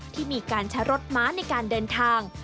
ที่มีการใช้รถม้าในการเดินทาง